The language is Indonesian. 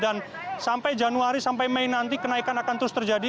dan sampai januari sampai mei nanti kenaikan akan terus terjadi